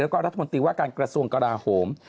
แล้วก็รัฐมนตรีว่าการกระทรวงกราโหม